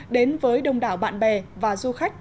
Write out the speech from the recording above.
đến với đông đảo bạn bè và du khách